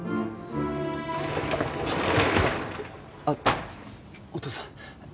あっお義父さん